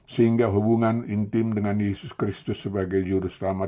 sehingga hubungan intim dengan yesus kristus sebagai yudhus selamat